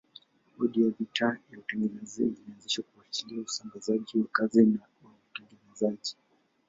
Bodi ya vita ya utengenezaji ilianzishwa kufuatilia usambazaji wa kazi na utengenezaji.